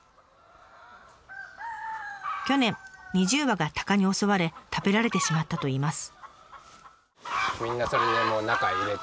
去年２０羽がタカに襲われ食べられてしまったといいます。